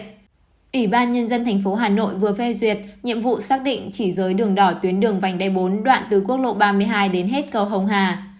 ủy ban nhân dân tp hà nội vừa phê duyệt nhiệm vụ xác định chỉ giới đường đỏ tuyến đường vảnh đe bốn đoạn từ quốc lộ ba mươi hai đến hết cầu hồng hà